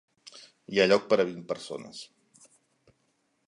Hi ha lloc per a vint persones.